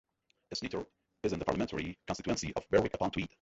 Snitter is in the parliamentary constituency of Berwick-upon-Tweed.